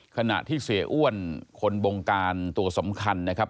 ขณะที่เสียอ้วนคนบงการตัวสำคัญนะครับ